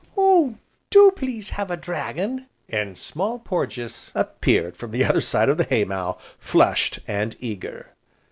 Oh! do please have a dragon." And Small Porges appeared from the other side of the hay mow, flushed, and eager.